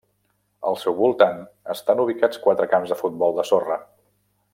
Al seu voltant estan ubicats quatre camps de futbol de sorra.